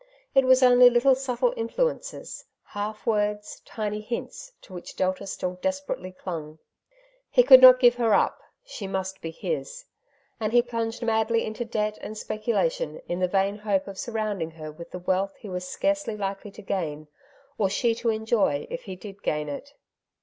It was only little subtle influences, half words, tiny hints, to which Delta still desperately clung. He could not give her up, she must be his ; and he plunged madly into debt and speculation in the vain hope of sur rounding her with the wealth he was scarcely likely to gain, or she to enjoy if he did gain it.